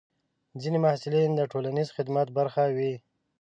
ځینې محصلین د ټولنیز خدمت برخه وي.